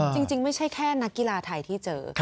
จริงไม่ใช่แค่นักกีฬาไทยที่เจอ